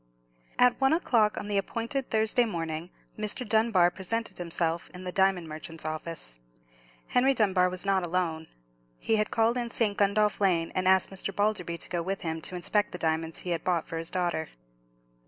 At one o'clock on the appointed Thursday morning, Mr. Dunbar presented himself in the diamond merchant's office. Henry Dunbar was not alone. He had called in St. Gundolph Lane, and asked Mr. Balderby to go with him to inspect the diamonds he had bought for his daughter.